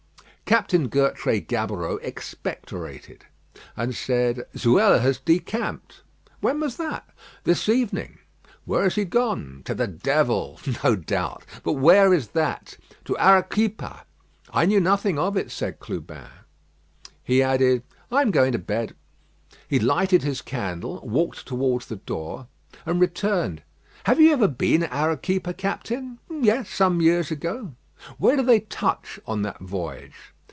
Captain Gertrais Gaboureau expectorated, and said: "Zuela has decamped." "When was that?" "This evening." "Where is he gone?" "To the devil." "No doubt; but where is that?" "To Arequipa." "I knew nothing of it," said Clubin. He added: "I am going to bed." He lighted his candle, walked towards the door, and returned. "Have you ever been at Arequipa, Captain?" "Yes; some years ago." "Where do they touch on that voyage?"